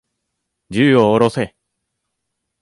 銃を下ろせ。